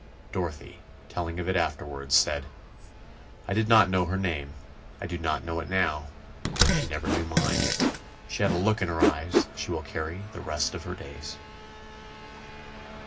Dorothy, telling of it afterwards, said: "I did not know her name—I do not know it now. She never knew mine. She had a look in her eyes she will carry the rest of her days."